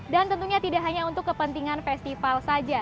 dan tentunya tidak hanya untuk kepentingan festival saja